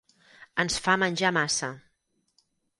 Ens fa menjar massa.